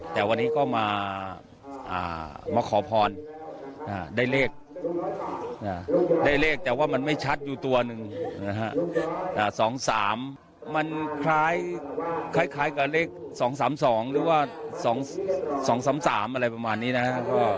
แต่วันนี้ก็มาขอพรได้เลขได้เลขแต่ว่ามันไม่ชัดอยู่ตัวหนึ่งนะฮะ๒๓มันคล้ายกับเลข๒๓๒หรือว่า๒๓๓อะไรประมาณนี้นะครับ